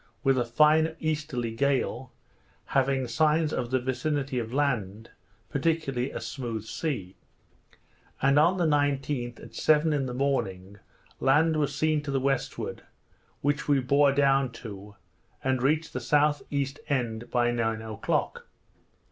with a fine easterly gale, having signs of the vicinity of land, particularly a smooth sea; and on the 19th, at seven in the morning, land was seen to the westward, which we bore down to, and reached the S.E. end by nine o'clock.